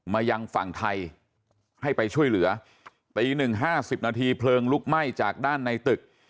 มายังฝั่งไทยให้ไปช่วยเหลือตีหนึ่งห้าสิบนาทีเพลิงลุกไหม้จากด้านในตึก